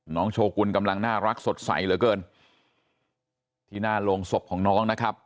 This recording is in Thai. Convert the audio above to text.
โชกุลกำลังน่ารักสดใสเหลือเกินที่หน้าโรงศพของน้องนะครับ